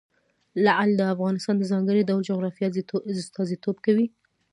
لعل د افغانستان د ځانګړي ډول جغرافیه استازیتوب کوي.